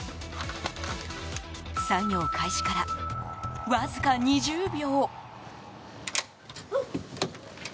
作業開始から、わずか２０秒。